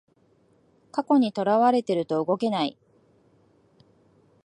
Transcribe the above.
過去にとらわれてると動けない